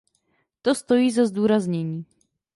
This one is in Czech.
To stojí za zdůraznění.